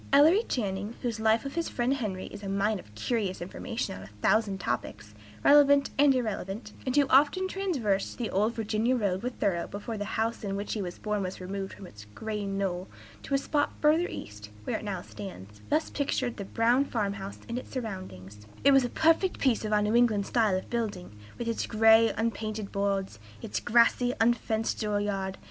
Ellery Channing, whose life of his friend Henry is a mine of curious information on a thousand topics, relevant and irrelevant, and who often traversed the "old Virginia road" with Thoreau before the house in which he was born was removed from its green knoll to a spot further east, where it now stands, thus pictures the brown farm house and its surroundings: "It was a perfect piece of our old New England style of building, with its gray, unpainted boards, its grassy, unfenced door yard.